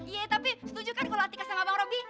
ye tapi setujukan kalau atika sama bang robi